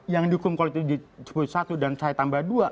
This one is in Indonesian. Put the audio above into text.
yang dihukum kalau itu di satu dan saya tambah dua